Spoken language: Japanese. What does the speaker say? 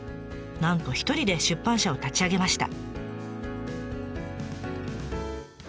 なんと一人で出版社を立ち上げました。